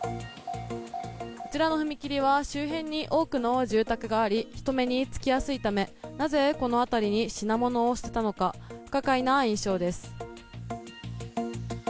こちらの踏切は周辺に多くの住宅があり人目につきやすいためなぜこの辺りに品物を捨てたのか不可解な印象です。